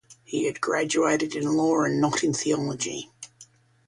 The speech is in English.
He had graduated in law, and not in theology.